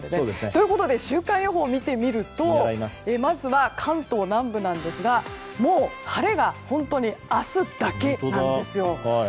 ということで、週間予報を見るとまずは関東南部ですが晴れが本当に明日だけなんです。